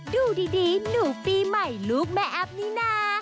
ดูดีหนูปีใหม่ลูกแม่แอฟนี่นะ